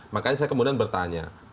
makanya saya kemudian bertanggung jawabnya itu